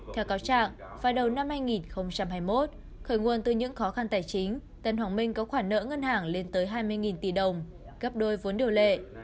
theo cáo trạng vào đầu năm hai nghìn hai mươi một khởi nguồn từ những khó khăn tài chính tân hoàng minh có khoản nợ ngân hàng lên tới hai mươi tỷ đồng gấp đôi vốn điều lệ